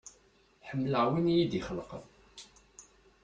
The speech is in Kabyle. Ḥemmleɣ wina iyi-d-ixelqen.